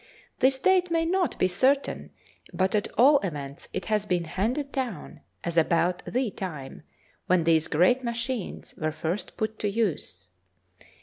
This date may not be certain, but at all events it has been handed down as about the time when these great machines were first put to use.